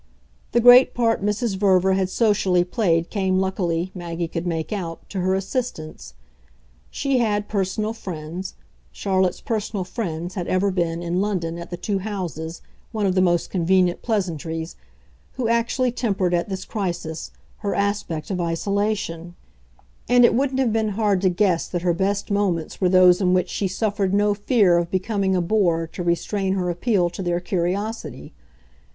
The great part Mrs. Verver had socially played came luckily, Maggie could make out, to her assistance; she had "personal friends" Charlotte's personal friends had ever been, in London, at the two houses, one of the most convenient pleasantries who actually tempered, at this crisis, her aspect of isolation; and it wouldn't have been hard to guess that her best moments were those in which she suffered no fear of becoming a bore to restrain her appeal to their curiosity.